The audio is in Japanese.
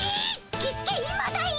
キスケ今だよ！